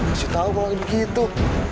kasih tau kalau kayak begitu